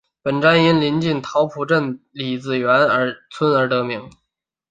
本站因临近桃浦镇李子园村而得名。